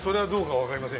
わかりません。